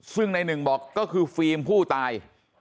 ซึ่งในหนึ่งบอกก็คือฟิล์มผู้ตาย